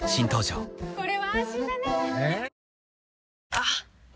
あっ！